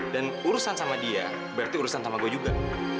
dan urusan sama dia berarti urusan sama gue juga